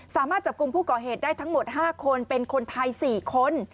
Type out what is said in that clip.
สามารถจับกลุ่มผู้ก่อเหตุได้ทั้งหมด๕คนเป็นคนไทย๔คน